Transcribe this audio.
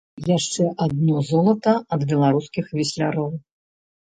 Яшчэ адно золата ад беларускіх весляроў!